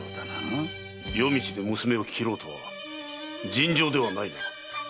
夜道で娘を斬ろうとは尋常ではないな。